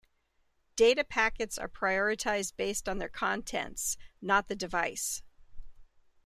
Data packets are prioritized based on their contents, not the device.